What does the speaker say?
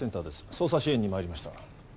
捜査支援に参りました。